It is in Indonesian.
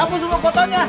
apus dulu fotonya